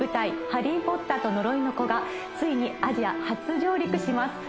「ハリー・ポッターと呪いの子」がついにアジア初上陸します